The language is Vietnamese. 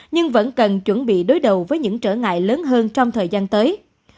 nhưng vẫn cần chuẩn bị đối đầu với những trở ngại lớn hơn trong thời gian tới